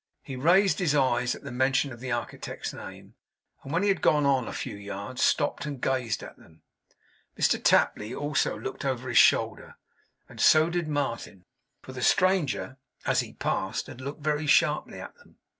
He raised his eyes at the mention of the architect's name; and when he had gone on a few yards, stopped and gazed at them. Mr Tapley, also, looked over his shoulder, and so did Martin; for the stranger, as he passed, had looked very sharply at them.